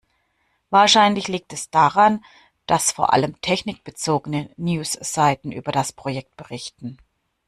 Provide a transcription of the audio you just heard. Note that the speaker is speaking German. Wahrscheinlich liegt es daran, dass vor allem technikbezogene News-Seiten über das Projekt berichten.